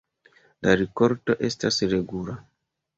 La rikolto estas regula.